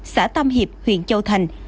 xã tam hiệp huyện châu thành